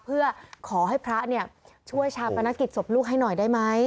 เพื่อขอให้พระช่วยชาปนกิจศพลูกให้หน่อยได้ไหม